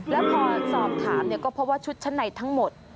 แล้วพอสอบถามก็พบว่าชุดชั้นในทั้งหมด